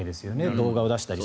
動画を出したり。